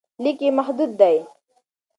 لیک یې محدود دی.